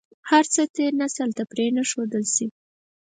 هر څه تېر نسل ته پرې نه ښودل شي.